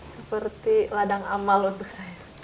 seperti ladang amal untuk saya